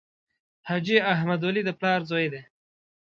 حاجي احمد ولي د پلار زوی دی.